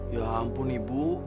ya ampun ibu